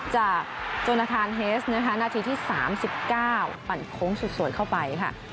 จากจนทรรเหสต์เนื้อค่ะนาทีที่สามสิบเก้าปั่นโโฆ้งสวยเข้าไปค่ะ